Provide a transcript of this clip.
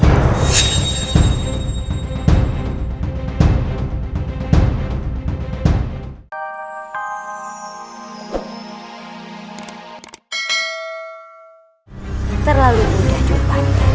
terlalu mudah jumpa